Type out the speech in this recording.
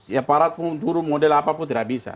ya para turun model apa pun tidak bisa